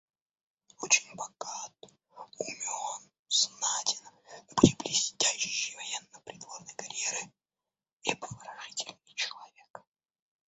Очень богат, умен, знатен, на пути блестящей военно-придворной карьеры и обворожительный человек.